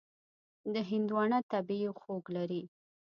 هندوانه طبیعي خوږ لري.